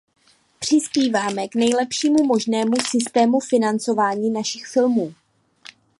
Přispíváme k nejlepšímu možnému systému financování našich filmů.